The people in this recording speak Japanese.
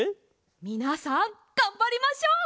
みなさんがんばりましょう。